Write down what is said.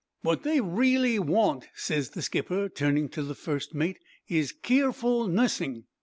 "'What they reely want,' ses the skipper, turning to the mate, 'is keerful nussing.'